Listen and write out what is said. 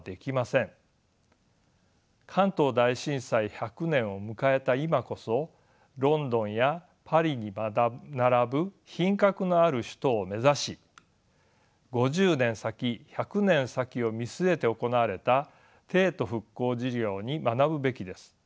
関東大震災１００年を迎えた今こそロンドンやパリに並ぶ品格のある首都を目指し５０年先１００年先を見据えて行われた帝都復興事業に学ぶべきです。